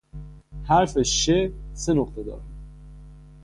"حرف "ش" سه نقطه دارد."